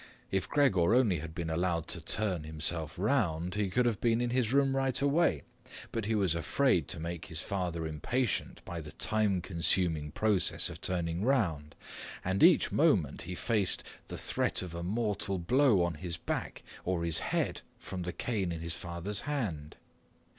If Gregor only had been allowed to turn himself around, he would have been in his room right away, but he was afraid to make his father impatient by the time consuming process of turning around, and each moment he faced the threat of a mortal blow on his back or his head from the cane in his father's hand.